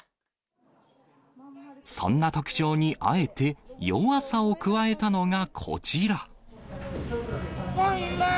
そんな特徴にあえて弱さを加えたのがこちら。